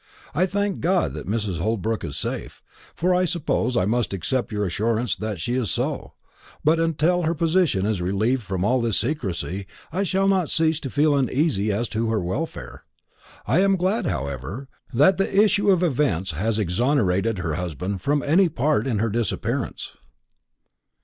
I thank God that Mrs. Holbrook is safe, for I suppose I must accept your assurance that she is so; but until her position is relieved from all this secrecy, I shall not cease to feel uneasy as to her welfare. I am glad, however, that the issue of events has exonerated her husband from any part in her disappearance."